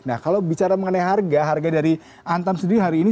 nah kalau bicara mengenai harga harga dari antam sendiri hari ini